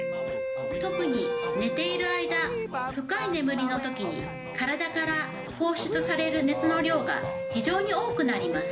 特にねている間、深い眠りのときに、体から放出される熱の量が非常に多くなります。